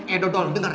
eh dodo lu denger ya